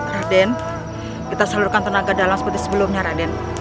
raden kita seluruhkan tenaga dalam seperti sebelumnya raden